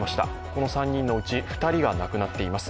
この３人のうち２人が亡くなっています。